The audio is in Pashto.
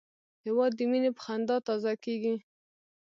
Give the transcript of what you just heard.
هېواد د مینې په خندا تازه کېږي.